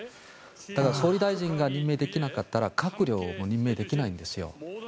だから、総理大臣が任命できなかったら閣僚も任命できないんですよ。